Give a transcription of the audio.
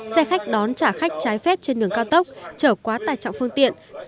xe khách đón trả khách trái phép trên đường cao tốc trở quá tài trọng phương tiện